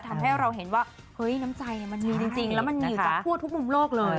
ทำให้เราเห็นว่าเฮ้ยน้ำใจมันมีจริงแล้วมันมีอยู่จากทั่วทุกมุมโลกเลย